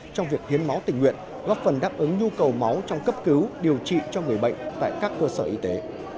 trong việc hiến máu tình nguyện góp phần đáp ứng nhu cầu máu trong cấp cứu điều trị cho người bệnh tại các cơ sở y tế